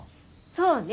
そうね